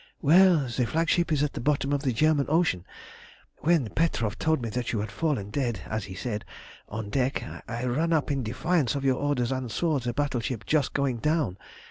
"Well, the flagship is at the bottom of the German Ocean. When Petroff told me that you had fallen dead, as he said, on deck, I ran up in defiance of your orders and saw the battleship just going down.